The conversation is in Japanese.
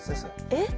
えっ？